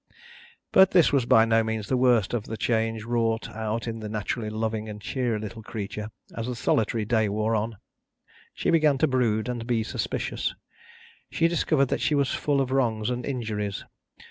But, this was by no means the worst of the change wrought out in the naturally loving and cheery little creature as the solitary day wore on. She began to brood and be suspicious. She discovered that she was full of wrongs and injuries.